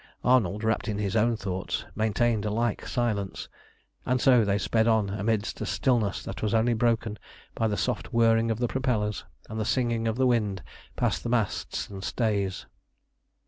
Arnold, wrapped in his own thoughts, maintained a like silence, and so they sped on amidst a stillness that was only broken by the soft whirring of the propellers, and the singing of the wind past the masts and stays.